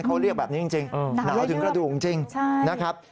เขาเรียกแบบนี้จริงหนาวถึงกระดูกจริงนะครับ